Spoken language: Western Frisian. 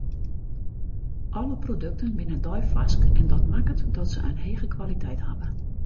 Alle produkten binne deifarsk en dat makket dat se in hege kwaliteit hawwe.